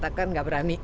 mengatakan nggak berani